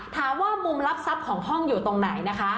ถามว่ามุมลับทรัพย์ของห้องอยู่ตรงไหนนะคะ